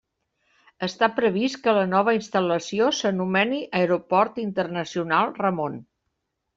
Està previst que la nova instal·lació s'anomeni Aeroport Internacional Ramon.